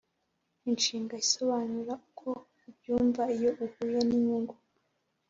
inshinga isobanura uko ubyumva iyo uhuye ninyungu